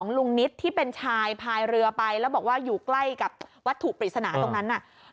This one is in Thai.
ลุงนิตที่เป็นชายพายเรือไปแล้วบอกว่าอยู่ใกล้กับวัตถุปริศนาตรงนั้นน่ะ